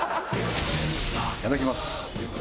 いただきます。